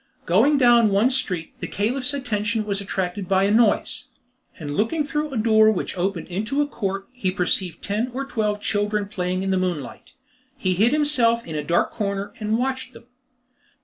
Going down one street, the Caliph's attention was attracted by a noise, and looking through a door which opened into a court he perceived ten or twelve children playing in the moonlight. He hid himself in a dark corner, and watched them.